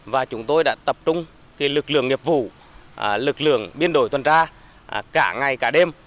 và chúng tôi đã tập trung lực lượng nghiệp vụ lực lượng biên đổi tuần tra cả ngày cả đêm